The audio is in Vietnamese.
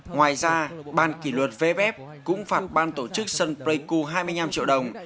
ngoài ra ban kỷ luật vff cũng phạt ban tổ chức sân precu hai mươi năm triệu đồng